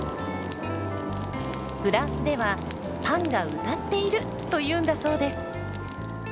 フランスでは「パンが歌っている！」というんだそうです。